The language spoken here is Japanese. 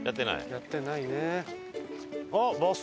やってないね。